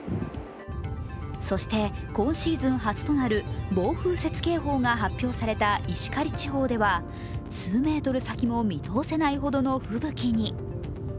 そして今シーズン初となる暴風雪警報が発表された石狩地方では数メートル先も見通せないほどの吹雪に。